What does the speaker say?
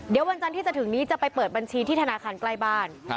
เดี๋ยววันจันทร์ที่จะถึงนี้จะไปเปิดบัญชีที่ธนาคารใกล้บ้าน